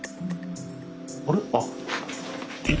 あれ？